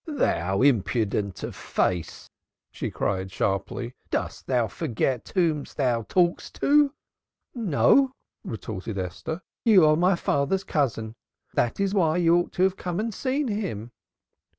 "Thou impudent of face!" she cried sharply. "Dost thou forget whom thou talkest to?" "No," retorted Esther. "You are my father's cousin that is why you ought to have come to see him."